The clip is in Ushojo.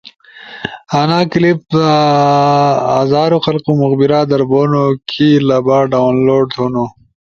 آنا کپلس پزاروں خلخو مقبرہ در بونو کی لبا ڈاؤن لوڈ تھونو۔